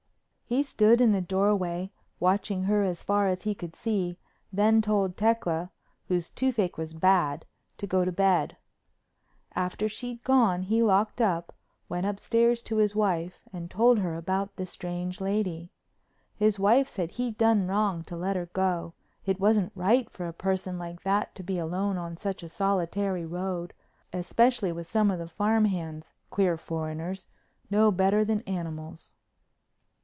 He stood in the doorway watching her as far as he could see, then told Tecla, whose toothache was bad, to go to bed. After she'd gone he locked up, went upstairs to his wife and told her about the strange lady. His wife said he'd done wrong to let her go, it wasn't right for a person like that to be alone on such a solitary road, especially with some of the farm hands, queer foreigners, no better than animals.